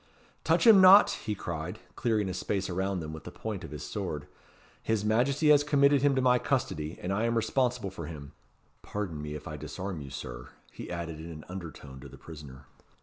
"Touch him not!" he cried, clearing a space around them with the point of his sword. "His Majesty has committed him to my custody, and I am responsible for him. Pardon me if I disarm you, Sir," he added in an undertone to the prisoner.